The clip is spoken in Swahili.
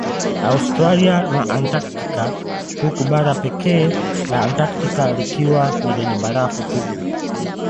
Austiralia na Antaktika huku bara pekee la Antaktika likiwa ni lenye barafu tupu